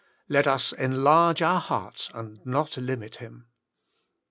Let us enlarge our hearts and not limit Him.